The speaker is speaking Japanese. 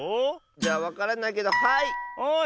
じゃあわからないけどはい！